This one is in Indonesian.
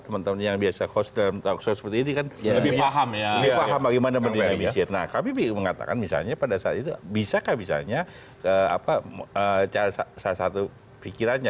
teman teman yang biasa kos dan taksut seperti ini kan lebih paham ya bagaimana berbeda misi